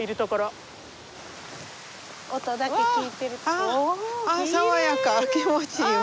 あ爽やか気持ちいいわ。